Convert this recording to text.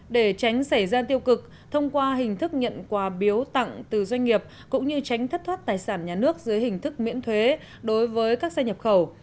để tránh xảy ra tiêu cực thông qua hình thức nhận quà biếu tặng từ doanh nghiệp cũng như tránh thất thoát tài sản nhà nước dưới hình thức miễn thuế đối với các xe nhập khẩu